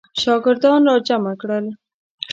شاګردان را جمع کړل.